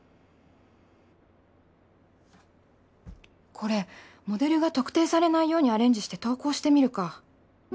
これモデルが特定されないようにアレンジして投稿してみるか。